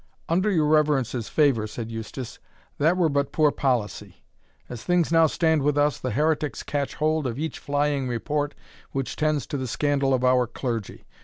"Under your reverence's favour," said Eustace, "that were but poor policy. As things now stand with us, the heretics catch hold of each flying report which tends to the scandal of our clergy.